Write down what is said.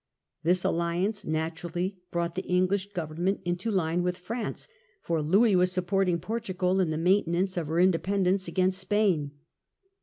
This alliance naturally brought the English government into line with France, for Louis was supporting Portugal in the main tenance of her independence against Spain.